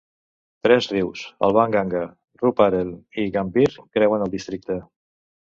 Tres rius, el Ban Ganga, Rooparel i Gambhir, creuen el districte.